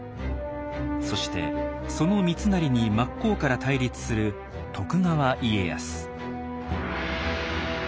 そしてその三成に真っ向から対立する徳川家康。